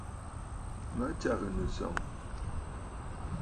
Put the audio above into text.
Matsàgə̀ nɨ̀sɔ̀ŋ.